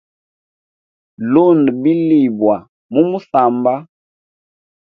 Lunda bilibwa mu musamba.